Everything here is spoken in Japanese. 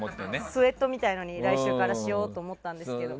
スウェットみたいのに来週からしようと思ったんですけど。